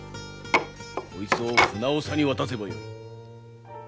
こいつを船おさに渡せばよい。